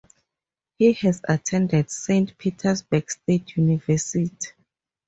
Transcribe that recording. He has attended Saint Petersburg State University.